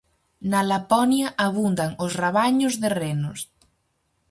Na Laponia abundan os rabaños de renos.